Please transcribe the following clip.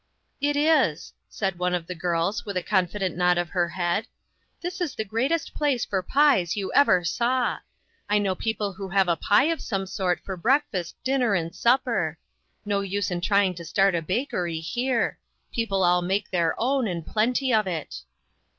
" It is," said one of the girls, with a con fident nod of her head. " This is the great est place for pies you ever saw ! I know people who have a pie of some sort for breakfast, dinner and supper. No use in trjdng to start a bakery here. People all make their own, and plenty of it."